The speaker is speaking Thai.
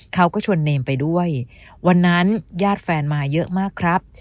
เขาก็ชวนเนมไปด้วยวันนั้นญาติแฟนมาเยอะมากครับ